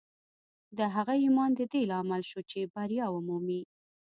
د هغه ایمان د دې لامل شو چې بریا ومومي